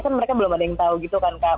kan mereka belum ada yang tahu gitu kan kak